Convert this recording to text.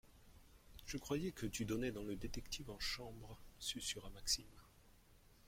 Je croyais que tu donnais dans le détective en chambre ? susurra Maxime.